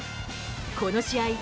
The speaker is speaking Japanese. この試合